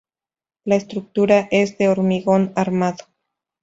La estructura es de hormigón armado.